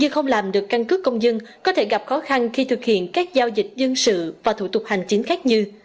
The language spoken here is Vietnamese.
không làm được căn cứ công dân có thể gặp khó khăn khi thực hiện các giao dịch dân sự và thủ tục hành chính khác như